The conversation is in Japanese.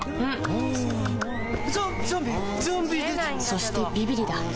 そしてビビリだ